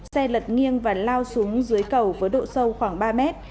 xe lật nghiêng và lao xuống dưới cầu với độ sâu khoảng ba mét